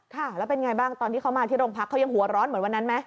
ค่ะแล้วเป็นไงบ้างตอนที่เขามาที่โรงพักเขายังหัวร้อนเหมือนวันนั้นไหม